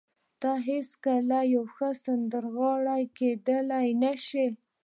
ته هېڅکله یوه ښه سندرغاړې کېدای نشې